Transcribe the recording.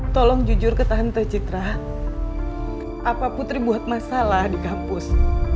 tolong jujur ketahan teh citra apa putri buat masalah di kampus